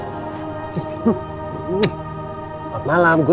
kita akan kelimwoodin gitu ke bangunan mereka